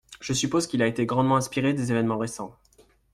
Je suppose qu’il a été grandement inspiré des événements récents.